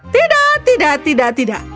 tidak tidak tidak tidak